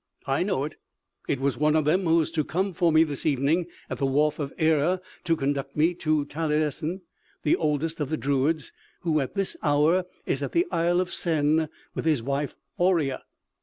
"I know it. It was one of them who was to come for me this evening at the wharf of Erer to conduct me to Talyessin the oldest of the druids, who, at this hour, is at the Isle of Sen with his wife Auria."